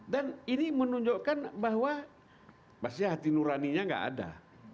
dan ini menunjukkan bahwa pasti hati nuraninya nggak ada